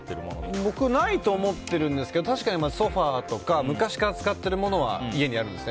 僕、ないと思ってるんですけど確かにソファとか昔から使っているものは家にあるんですね。